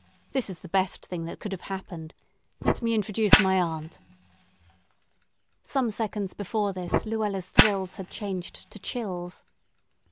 This is the best thing that could have happened. Let me introduce my aunt——" Some seconds before this Luella's thrills had changed to chills.